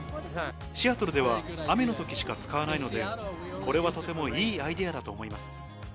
シアトルでは雨のときしか使わないので、これはとてもいいアイデアだと思います。